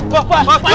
pak pak pak pak